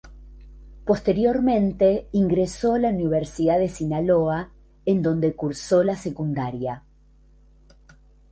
Posteriormente ingresó a la Universidad de Sinaloa en donde cursó la secundaria.